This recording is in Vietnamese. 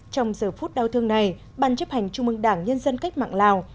trong giờ phút đau thương này ban chấp hành trung mương đảng nhân dân cách mạng lào